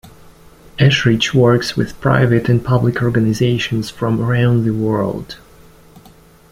Ashridge works with private and public organisations from around the world.